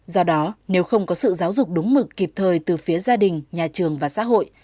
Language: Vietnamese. do đó nếu không có sự giáo dục đúng mực kịp thời từ phía gia đình nhà trường và xã hội